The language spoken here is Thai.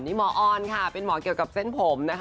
ที่เป็นหมอนเกี่ยวกับเส้นผม